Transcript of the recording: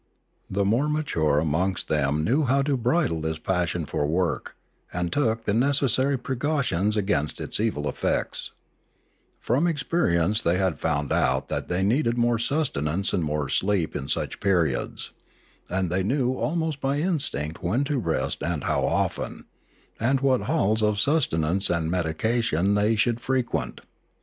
The more mature amongst them An Epidemic 397 knew how to bridle this passion for work, and took the necessary precautions against its evil effects; from experience they had found out that they needed more sustenance and more sleep in such periods, and they knew almost by instinct when to rest and how often, and what halls of sustenance and medication they should frequent.